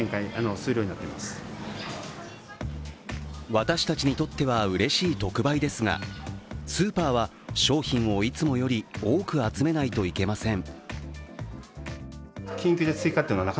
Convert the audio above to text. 私たちにとってはうれしい特売ですがスーパーは商品をいつもより多く集めないといけません。